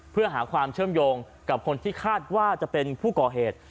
เพื่อหาความเชื่อมโยงกับคนที่คาดว่าจะเป็นผู้ก่อเหตุ